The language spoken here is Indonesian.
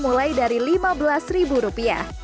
mulai dari rp lima belas